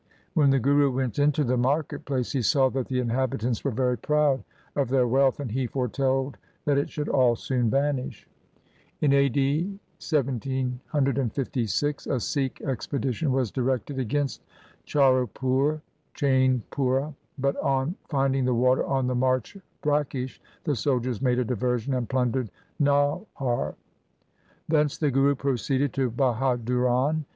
When the Guru went into the market place he saw that the inhabitants were very proud of their wealth, and he foretold that it should all soon vanish. In a. d. 1756 a Sikh expedition was LIFE OF GURU GOBIND SINGH 227 directed against Charupur (Chainpura), but on finding the water on the march brackish, the soldiers made a diversion and plundered Nauhar. Thence the Guru proceeded to Bahaduran.